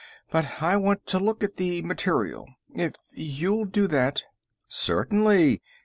But I want to look at the material. If you'll do that " "Certainly."